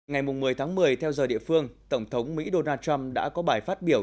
ngày một mươi tháng một mươi theo giờ địa phương tổng thống mỹ donald trump đã có bài phát biểu